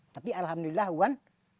tapi alhamdulillah wan